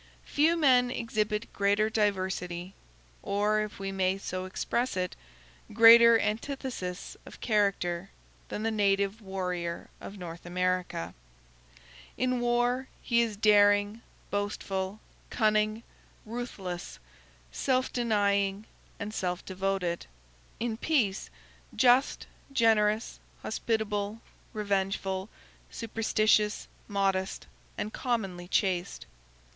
Few men exhibit greater diversity, or, if we may so express it, greater antithesis of character, than the native warrior of North America. In war, he is daring, boastful, cunning, ruthless, self denying, and self devoted; in peace, just, generous, hospitable, revengeful, superstitious, modest, and commonly chaste.